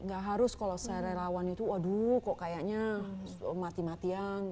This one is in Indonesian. gak harus kalau saya relawan itu waduh kok kayaknya mati matian